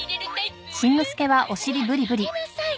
「コラやめなさい」